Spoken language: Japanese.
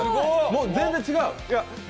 もう全然違う？